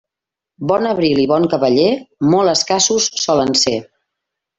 Bon abril i bon cavaller, molt escassos solen ser.